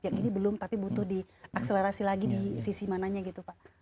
yang ini belum tapi butuh diakselerasi lagi di sisi mananya gitu pak